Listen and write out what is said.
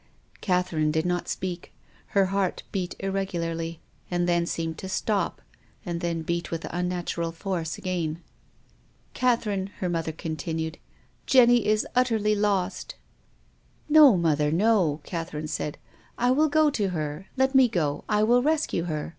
Catherine did not speak. Her heart beat ir regularly, and then seemed to stop, and then beat with unnatural force again. WILLIAM FOSTER. l6l "Catherine," her mother continued, " Jenny is utterly lost." " No, mother, no !" Catherine said. " I will go to her. Let me go. I will rescue her.